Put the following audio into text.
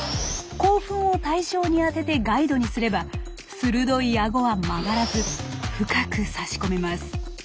口吻を対象に当ててガイドにすれば鋭い顎は曲がらず深くさし込めます。